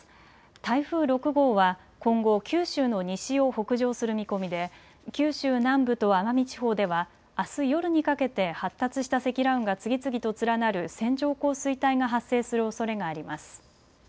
台風６号は今後、九州の西を北上する見込みで九州南部と奄美地方ではあす夜にかけて発達した積乱雲が次々と連なる線状降水帯が発生するおそれがあります。